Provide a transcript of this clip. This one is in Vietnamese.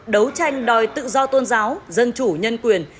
đấu tranh đòi tự do tôn giáo dân chủ nhân quyền